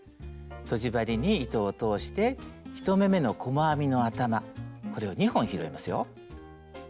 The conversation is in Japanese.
とじ針に糸を通して１目めの細編みの頭これを２本拾いますよ。